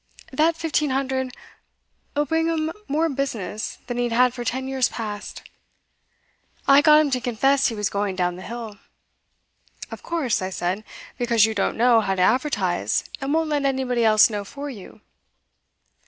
That fifteen hundred 'll bring him in more business than he's had for ten years past. I got him to confess he was going down the hill. "Of course," I said, "because you don't know how to advertise, and won't let anybody else know for you?"